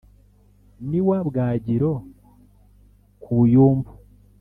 n’iwa bwagiro ku buyumbu